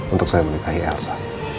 untuk saya menikahi elsa